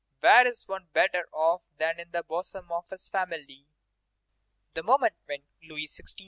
_ (Where is one better off than in the bosom of his family?) The moment when Louis XVI.